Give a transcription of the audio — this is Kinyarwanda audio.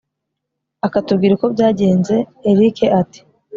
akatubwira uko byagenze! erick ati